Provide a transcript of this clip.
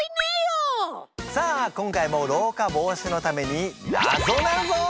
さあ今回も老化防止のためになぞなぞ！